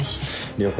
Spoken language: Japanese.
了解。